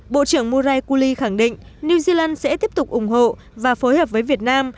bộ trưởng murray cooley khẳng định new zealand sẽ tiếp tục ủng hộ và phối hợp với việt nam